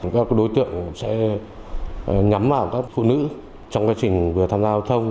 các đối tượng sẽ nhắm vào các phụ nữ trong quá trình vừa tham gia giao thông